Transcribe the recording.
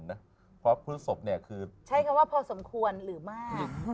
ใช้คำว่าพอสมควรหรือมาก